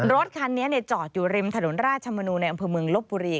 รถคันนี้จอดอยู่ริมถนนราชมนูลในอำเภอเมืองลบบุรี